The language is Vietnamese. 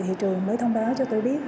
thì trường mới thông báo cho tôi biết